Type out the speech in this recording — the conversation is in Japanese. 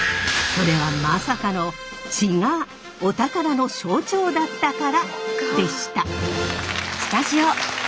それはまさかの血がお宝の象徴だったからでした。